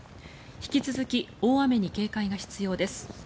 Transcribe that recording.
引き続き大雨に警戒が必要です。